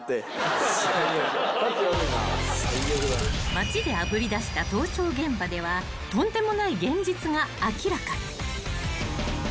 ［町であぶり出した盗聴現場ではとんでもない現実が明らかに］